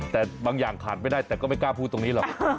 แต่บางอย่างขาดไม่ได้แต่ก็ไม่กล้าพูดตรงนี้หรอก